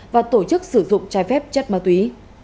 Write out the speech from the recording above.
và tổ chức sử dụng trái phép chất ma túy